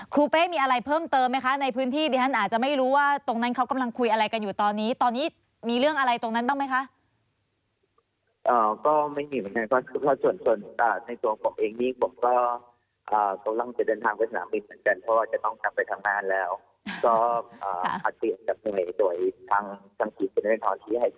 ครูเป้มีอะไรเพิ่มเติมไหมคะในพื้นที่